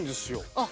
あっ。